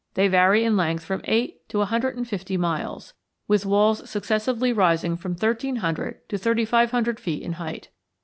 They vary in length from eight to a hundred and fifty miles, with walls successively rising from thirteen hundred to thirty five hundred feet in height.